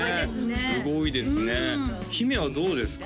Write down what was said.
すごいですね姫はどうですか？